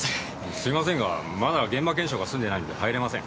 すみませんがまだ現場検証が済んでいないので入れません。